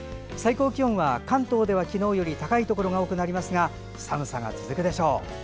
最高気温は、関東では昨日より高いところが多くなりますが寒さが続くでしょう。